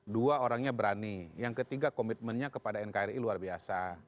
dua orangnya berani yang ketiga komitmennya kepada nkri luar biasa